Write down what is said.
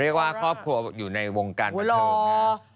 เรียกว่าครอบครัวอยู่ในวงการเลย